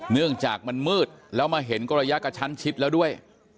เนื่องจากมันมืดแล้วมาเห็นก็ระยะกระชั้นชิดแล้วด้วย